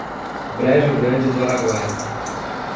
Brejo Grande do Araguaia